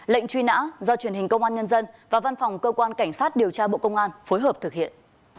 lệnh truy nã do truyền hình công an nhân dân và văn phòng cơ quan cảnh sát điều tra bộ công an phối hợp thực hiện